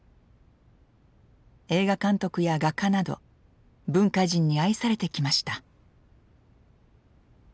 映画監督や画家など文化人に愛されてきました。